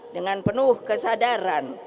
dengan penuh kesadaran